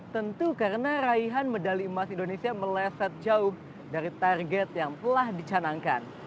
tentu karena raihan medali emas indonesia meleset jauh dari target yang telah dicanangkan